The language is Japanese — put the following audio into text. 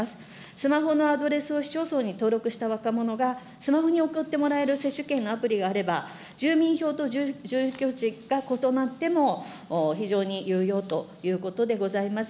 スマホのアドレスを市町村に登録した若者が、スマホに送ってもらえる接種券のアプリがあれば、住民票と住居地が異なっても、非常に有用ということでございます。